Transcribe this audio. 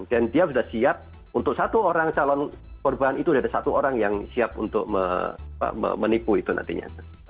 dan dia sudah siap untuk satu orang calon perubahan itu dari satu orang yang siap untuk menipu itu nantinya